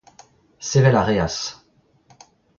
Sevel a reas.